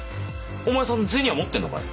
お前さん銭は持ってんのかい？